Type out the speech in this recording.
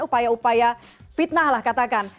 upaya upaya fitnah lah katakan